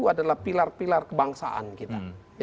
adalah pilar pilar kebangsaan kita